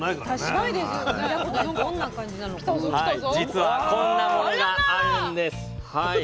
実はこんなものがあるんです。